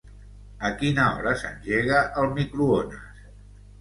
A quina hora s'engega el microones?